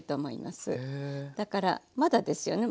だからまだですよね。